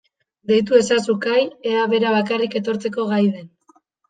Deitu ezazu Kai ea bera bakarrik etortzeko gai den.